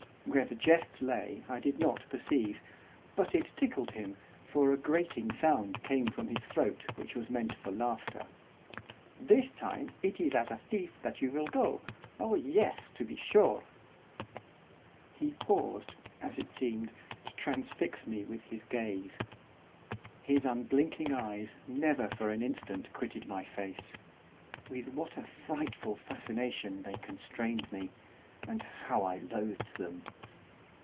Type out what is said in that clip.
Where the jest lay I did not perceive; but it tickled him, for a grating sound came from his throat which was meant for laughter. 'This time it is as a thief that you will go, oh yes, be sure.' He paused, as it seemed, to transfix me with his gaze. His unblinking eyes never for an instant quitted my face. With what a frightful fascination they constrained me, and how I loathed them!